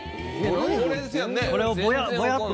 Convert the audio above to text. これですよね。